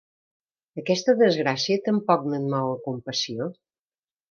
Aquesta desgràcia tampoc no et mou a compassió?